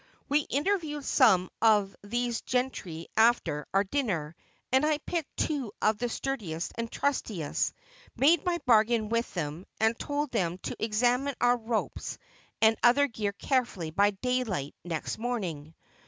We interviewed some of these gentry after our dinner, and I picked two of the sturdiest and trustiest, made my bargain with them, and told them to examine our ropes and other gear carefully by daylight next morning.